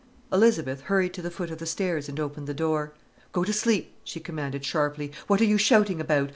Elizabeth hurried to the foot of the stairs and opened the door: "Go to sleep!" she commanded sharply. "What are you shouting about?